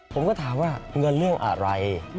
ผมก็ถามว่าเงินเรื่องอะไร